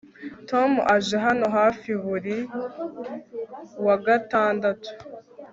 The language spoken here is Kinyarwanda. Tom aje hano hafi buri wa gatandatu